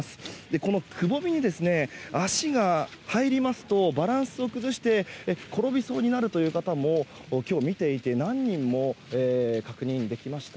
このくぼみに足が入りますとバランスを崩して転びそうになるという方も今日見ていて何人も確認できました。